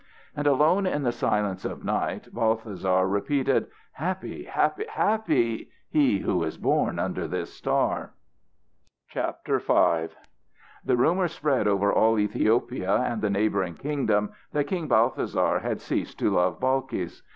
And alone in the silence of night Balthasar repeated: "Happy, happy, happy he who is born under this star." V. The rumour spread over all Ethiopia and the neighbouring kingdoms that King Balthasar had ceased to love Balkis.